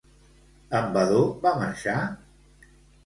En Vadó va marxar?